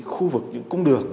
khu vực cung đường